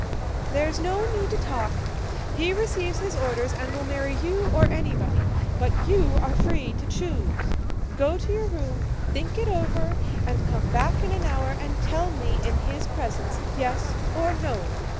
"There's no need to talk! He receives his orders and will marry you or anybody; but you are free to choose.... Go to your room, think it over, and come back in an hour and tell me in his presence: yes or no.